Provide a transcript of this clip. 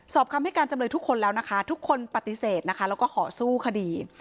คำให้การจำเลยทุกคนแล้วนะคะทุกคนปฏิเสธนะคะแล้วก็ขอสู้คดี